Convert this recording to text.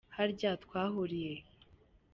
Harya twahuriye he?